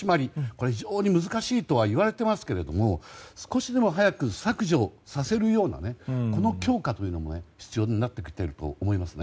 これは非常に難しいとはいわれていますけども少しでも早く削除させるような強化というのも必要になってきていると思いますね。